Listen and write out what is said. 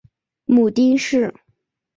母丁氏。